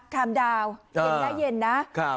คามดาวเย็นนะ